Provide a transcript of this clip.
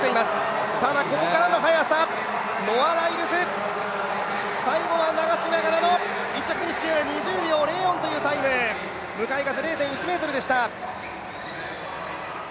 ノア・ライルズ、最後は流しながらの１着フィニッシュ２０秒０４というタイム、向かい風０．１メートルでした。